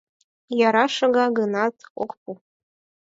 — Яра шога гынат, ок пу.